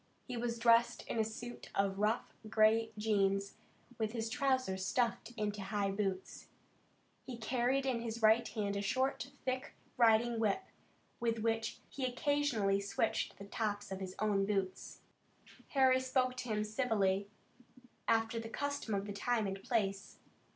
He was dressed in a suit of rough gray jeans, with his trousers stuffed into high boots. He carried in his right hand a short, thick riding whip, with which he occasionally switched the tops of his own boots. Harry spoke to him civilly, after the custom of the time and place.